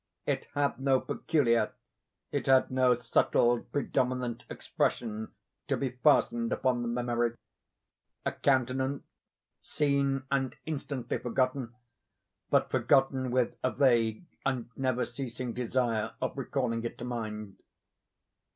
It had no peculiar, it had no settled predominant expression to be fastened upon the memory; a countenance seen and instantly forgotten, but forgotten with a vague and never ceasing desire of recalling it to mind.